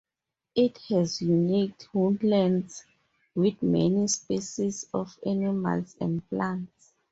It has unique woodlands, with many species of animals and plants.